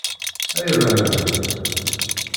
Ay abehlul!